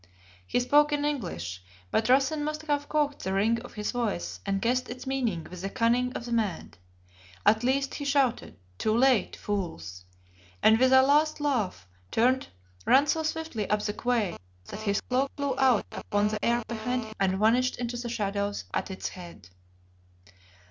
He spoke in English, but Rassen must have caught the ring of his voice and guessed its meaning with the cunning of the mad. At least he shouted "Too late, fools," and with a last laugh turned, ran so swiftly up the quay that his cloak flew out upon the air behind him, and vanished into the shadows at its head.